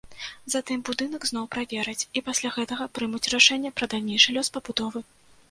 Затым будынак зноў правераць і пасля гэтага прымуць рашэнне пра далейшы лёс пабудовы.